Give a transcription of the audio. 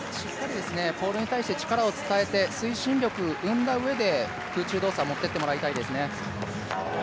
ポールに対して力を使えて、推進力を生んだ上で、空中動作、持っていってもらいたいですね。